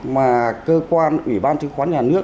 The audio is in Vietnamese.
mà cơ quan ủy ban chứng khoán nhà nước